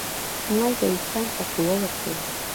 مالګه انسان ته قوه ورکوي.